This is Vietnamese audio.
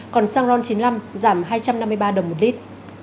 còn xăng ron chín mươi năm giảm hai trăm năm mươi ba đồng một lít